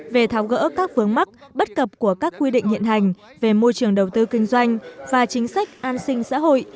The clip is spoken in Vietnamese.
về tháo gỡ các vướng mắc bất cập của các quy định hiện hành về môi trường đầu tư kinh doanh và chính sách an sinh xã hội